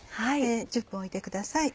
１０分置いてください。